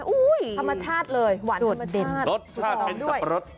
อุ้ยธรรมชาติเลยหวานธรรมชาติรสชาติเป็นสับปะรส